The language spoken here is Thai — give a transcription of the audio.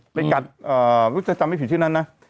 ไปกัดถ้าจำไม่ผิดชื่อนั้นนะ